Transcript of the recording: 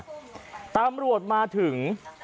ตำรวจมาถึง